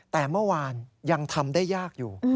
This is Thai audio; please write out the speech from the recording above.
แต่เมื่อวานยังทำได้ยากอยู่